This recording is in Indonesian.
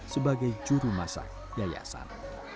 sebagai juru masak yayasan